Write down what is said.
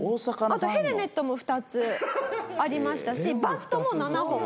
あとヘルメットも２つありましたしバットも７本。